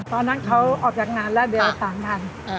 ตอนนั้นเขาออกจากงานแล้วเดี๋ยวต่างกัน